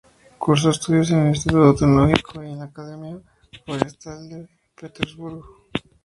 Cursó estudios en el Instituto Tecnológico y en la Academia Forestal de Petersburgo.